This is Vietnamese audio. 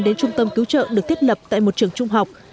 đến trung tâm cứu trợ được thiết lập tại một trường trung học